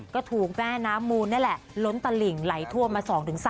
ก็ถูกแม่น้ำมูลนั่นแหละล้นตะหลิ่งไหลทั่วมา๒๓วันแล้ว